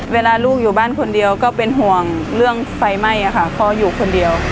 เวลาลูกอยู่บ้านคนเดียวก็เป็นห่วงเรื่องไฟไหม้ค่ะพ่ออยู่คนเดียว